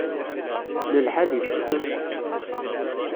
Nelḥa deg teftist.